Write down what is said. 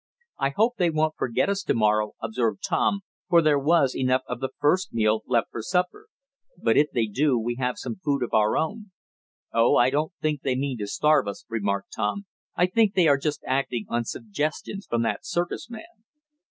"I hope they won't forget us to morrow," observed Tom, for there was enough of the first meal left for supper. "But if they do we have some food of our own." "Oh, I don't think they mean to starve us," remarked Ned. "I think they are just acting on suggestions from that circus man."